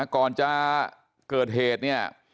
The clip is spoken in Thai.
ก่อนจะเกิดเหตุเนี่ย